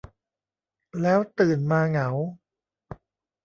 แล้วตื่นมาเหงา